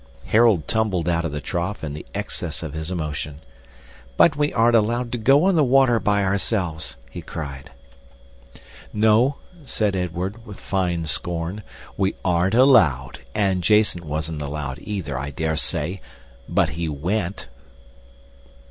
Harold tumbled out of the trough in the excess of his emotion. "But we aren't allowed to go on the water by ourselves," he cried. "No," said Edward, with fine scorn: "we aren't allowed; and Jason wasn't allowed either, I daresay but he WENT!"